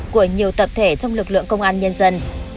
của nhiều tập thể trong lực lượng công an nhân dân